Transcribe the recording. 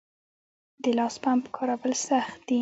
د لاس پمپ کارول سخت دي؟